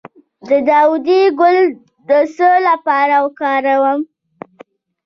د داودي ګل د څه لپاره وکاروم؟